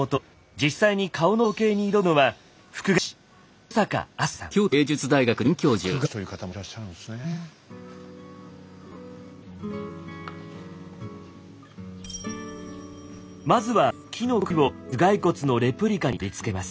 実際に顔の造形に挑むのはまずは木の杭を頭蓋骨のレプリカに取り付けます。